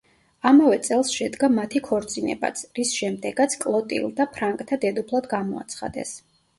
ამავე წელს შედგა მათი ქორწინებაც, რის შემდეგაც კლოტილდა ფრანკთა დედოფლად გამოაცხადეს.